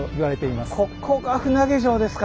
ここが船上城ですか。